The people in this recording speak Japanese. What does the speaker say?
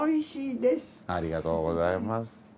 ありがとうございます。